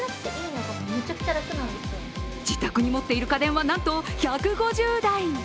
自宅に持っている家電はなんと１５０台。